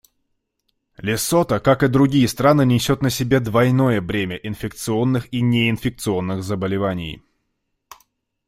Лесото, как и другие страны, несет на себе двойное бремя инфекционных и неинфекционных заболеваний.